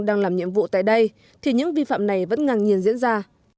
đang làm nhiệm vụ tại đây thì những vi phạm này vẫn ngang nhiên diễn ra